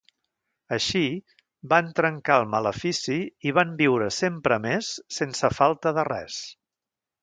Així, van trencar el malefici i van viure sempre més sense falta de res.